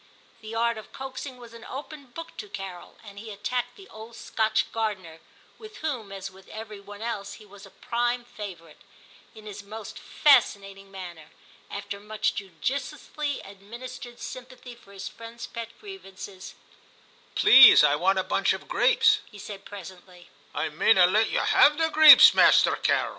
The art of coaxing was an open book to Carol, and he attacked the old Scotch gardener, — with whom, as with every one else, he was a prime favourite, — in his most fascinating manner. After much judiciously administered sympathy for his friend's pet grievances, ' Please, I want a bunch of grapes,' he said presently. ' I mayna let ye have the greeps, Masterrr Carrel.'